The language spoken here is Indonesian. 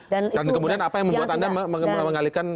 dan kemudian apa yang membuat anda mengalihkan